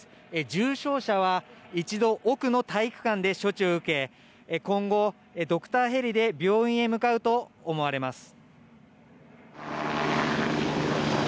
重傷者は一度奥の体育館で処置を受け今後、ドクターヘリで病院へ向かうと思われます。